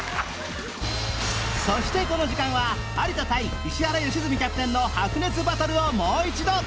そしてこの時間は有田対石原良純キャプテンの白熱バトルをもう一度！